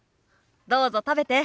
どうぞ食べて。